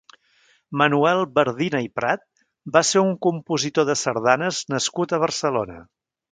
Manuel Bardina i Prat va ser un compositor de sardanes nascut a Barcelona.